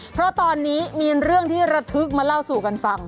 เพราะตอนนี้มีเรื่องที่ระทึกมาเล่าสู่กันฟัง